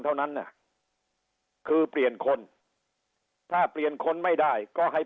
เท่านั้นน่ะคือเปลี่ยนคนถ้าเปลี่ยนคนไม่ได้ก็ให้